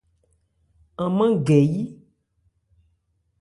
An mân gɛ yí.